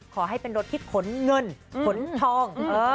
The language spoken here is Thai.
ขอให้เป็นรถที่ขนเงินขนทอง